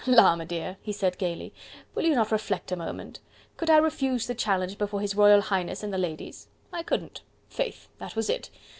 "La, m'dear!" he said gaily, "will you not reflect a moment? Could I refuse the challenge before His Royal Highness and the ladies? I couldn't. ... Faith! that was it....